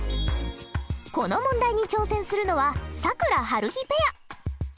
この問題に挑戦するのは咲桜はるひペア。